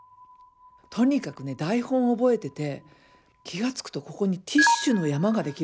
とにかくね台本覚えてて気が付くとここにティッシュの山ができるんですよ。